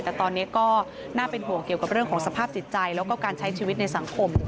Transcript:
แต่ตอนนี้ก็น่าเป็นห่วงเกี่ยวกับเรื่องของสภาพจิตใจแล้วก็การใช้ชีวิตในสังคม